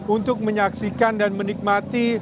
untuk menyaksikan dan menikmati